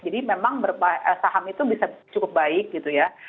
jadi memang saham itu bisa cukup baik gitu ya